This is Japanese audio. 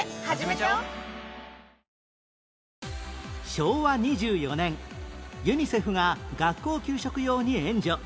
昭和２４年ユニセフが学校給食用に援助